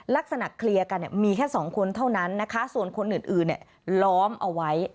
ลักษณะเคลียร์กันเนี่ยมีแค่สองคนเท่านั้นนะคะส่วนคนอื่นเนี่ยล้อมเอาไว้